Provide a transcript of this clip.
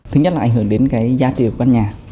thứ nhất là ảnh hưởng đến cái giá trị của văn nhà